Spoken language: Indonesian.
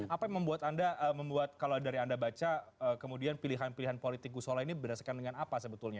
apa yang membuat anda membuat kalau dari anda baca kemudian pilihan pilihan politik gusola ini berdasarkan dengan apa sebetulnya